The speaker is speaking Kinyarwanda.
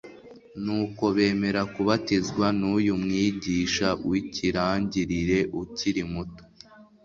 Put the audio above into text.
Nuko bemera kubatizwa n'uyu mwigisha w'ikirangirire ukiri muto,